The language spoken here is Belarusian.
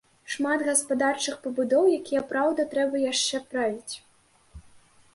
Шмат гаспадарчых пабудоў, якія, праўда, трэба яшчэ правіць.